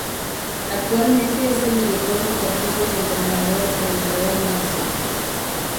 Actualmente es el director deportivo y entrenador del Real Murcia.